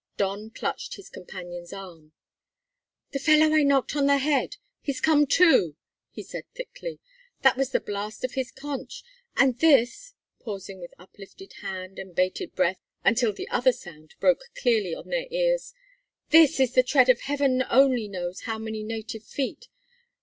Don clutched his companion's arm. "The fellow I knocked on the head he's come to!" he said thickly. "That was the blast of his conch; and this" pausing with uplifted hand and bated breath until that other sound broke clearly on their ears "this is the tread of heaven only knows how many native feet.